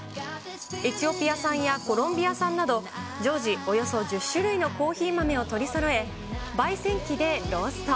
エチオピア産やコロンビア産など、常時およそ１０種類のコーヒー豆を取りそろえ、ばい煎機でロースト。